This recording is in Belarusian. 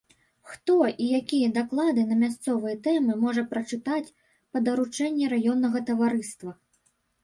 Хто і якія даклады на мясцовыя тэмы можа прачытаць па даручэнні раённага таварыства?